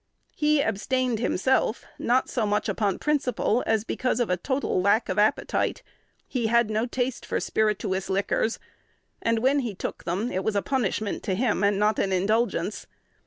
He abstained himself, not so much upon principle, as because of a total lack of appetite. He had no taste for spirituous liquors; and, when he took them, it was a punishment to him, not an indulgence.